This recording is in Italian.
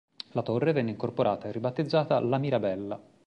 La torre venne incorporata e ribattezzata "La Mirabella".